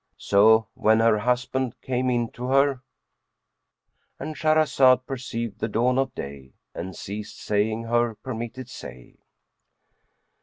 So when her husband came into her—And Shahrazad perceived the dawn of day and ceased saying her permitted say.